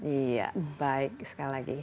iya baik sekali lagi